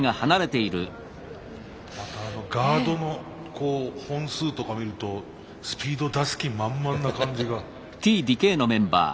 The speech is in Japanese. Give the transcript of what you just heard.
またあのガードの本数とか見るとスピード出す気満々な感じが。